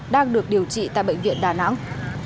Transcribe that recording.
đang được điều trị tại bệnh viện đà nẵng